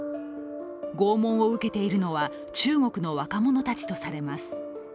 拷問を受けているのは中国の若者たちとされます。